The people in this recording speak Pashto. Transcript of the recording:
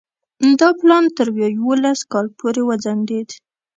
دا پلان تر ویا یوولس کال پورې وځنډېد.